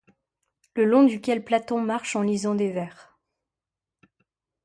Le long duquel Platon marche en lisant des vers